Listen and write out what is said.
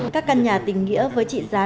các căn nhà tình nghĩa với trị giá